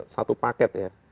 satu paket ya